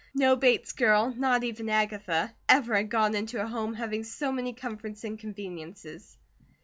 No Bates girl, not even Agatha, ever had gone into a home having so many comforts and conveniences.